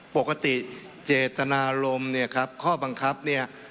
ปกติเจตนารมณ์เนี่ยครับข้อบังคับเนี่ย